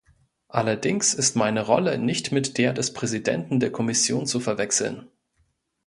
Allerdings ist meine Rolle nicht mit der des Präsidenten der Kommission zu verwechseln.